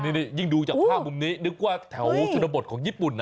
นี่ยิ่งดูจากภาพมุมนี้นึกว่าแถวชนบทของญี่ปุ่นนะ